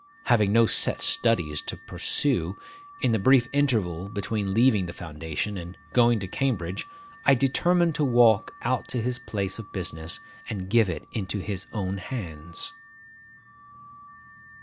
Having no set studies to pursue, in the brief interval between leaving the Foundation and going to Cambridge, I determined to walk out to his place of business, and give it into his own hands.